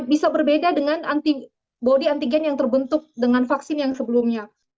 bisa berbeda dengan antibody antigen yang terbentuk dengan vaksin yang sebelumnya